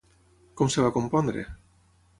Com es va compondre?